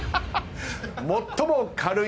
最も軽い。